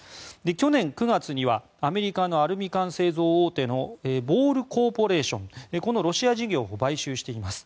去年９月にはアメリカのアルミ缶製造大手のボール・コーポレーションこのロシア事業を買収しています。